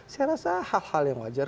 saya rasa hal hal yang wajar